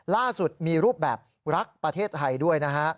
ล่าสุดมีรูปแบบรักประเทศไทยด้วยนะฮะ